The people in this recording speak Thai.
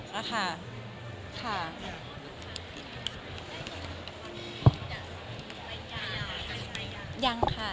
ควรยังค่ะยังค่ะ